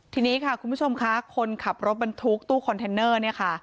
ทีนี้ค่ะคุณผู้ชมคนขับรถบรรทุกตู้คอนเทนเนอร์